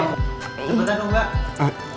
cepetan dong mbak